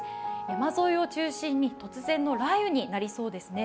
山沿いを中心に突然の雷雨になりそうですね。